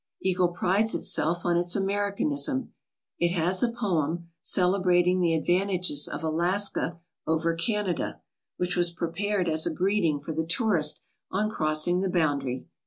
Eagle prides itself on its Americanism. It has a poem, celebrating the advantages of Alaska over Canada, 119 ALASKA OUR NORTHERN WONDERLAND which was prepared as a greeting for the tourist on crossing the boundary.